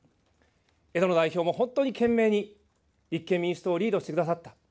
枝野代表も本当に懸命に立憲民主党をリードしてくださった。